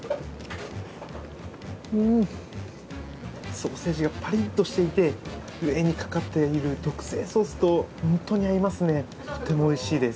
ソーセージがぱりっとしていて、上にかかっている特製ソースと本当に合いますね、とてもおいしいです。